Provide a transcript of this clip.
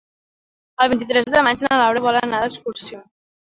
El vint-i-tres de maig na Laura vol anar d'excursió.